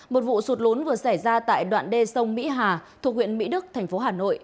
một vụ sụt lún vừa xảy ra tại đoạn đê sông mỹ hà thuộc huyện mỹ đức thành phố hà nội